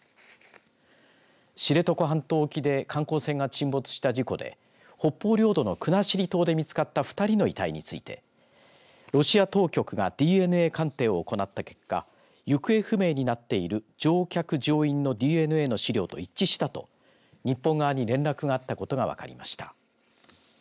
知床半島沖で観光船が沈没した事故で北方領土の国後島で見つかった２人の遺体についてロシア当局がＤＮＡ鑑定を行った結果行方不明になっている乗客、乗員のＤＮＡの資料と一致したと日本側に連絡があったことが分かりました。